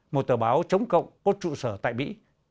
một tờ báo chống cộng có trụ sở tại mỹ